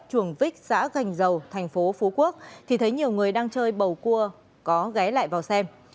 chuồng vích xã gành dầu thành phố phú quốc thì thấy nhiều người đang chơi bầu cua có ghé lại vào xem